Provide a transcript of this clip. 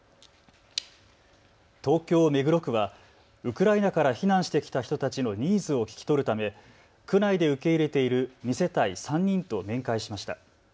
東京目黒区はウクライナから避難してきた人たちのニーズを聞き取るため区内で受け入れている２世帯３人と面会しました。